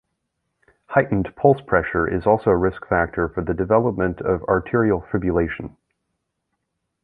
Heightened pulse pressure is also a risk factor for the development of atrial fibrillation.